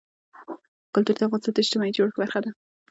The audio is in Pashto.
کلتور د افغانستان د اجتماعي جوړښت برخه ده.